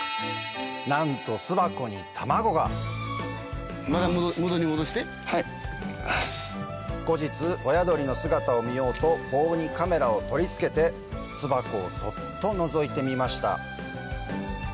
なんと後日親鳥の姿を見ようと棒にカメラを取り付けて巣箱をそっとのぞいてみました